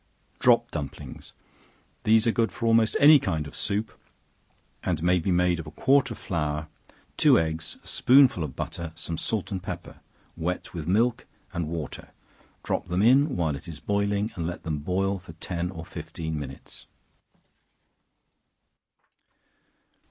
Drop Dumplings. These are good for almost any kind of soup, and may be made of a quart of flour, two eggs, a spoonful of butter, some salt and pepper, wet with milk and water; drop them in while it is boiling, and let them boil ten or fifteen minutes.